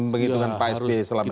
penghitungan pak sbi selama ini